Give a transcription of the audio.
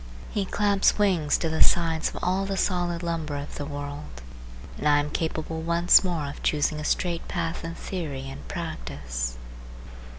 He claps wings to the sides of all the solid old lumber of the world, and I am capable once more of choosing a straight path in theory and practice.